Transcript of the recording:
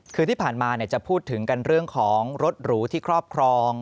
คือที่ผ่านมาจะพูดถึงกันเรื่องของรถหรูที่ครอบครอง